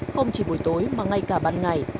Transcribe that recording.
không chỉ buổi tối mà ngay cả ban ngày